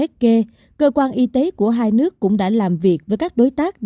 trong ngày cơ quan y tế của hai nước cũng đã làm việc với các đối tác